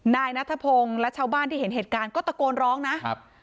นายนัทพงศ์และชาวบ้านที่เห็นเหตุการณ์ก็ตะโกนร้องนะครับ